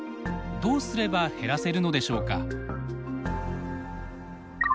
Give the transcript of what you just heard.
どうすれば減らせるのでしょうか。